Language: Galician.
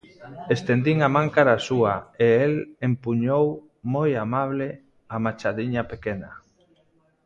estendín a man cara a súa e él empuñou, moi amable, a machadiña pequena.